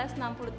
apa kabar ibu